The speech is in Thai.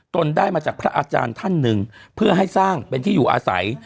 ได้มาจากพระอาจารย์ท่านหนึ่งเพื่อให้สร้างเป็นที่อยู่อาศัย